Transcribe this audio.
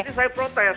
jadi saya protes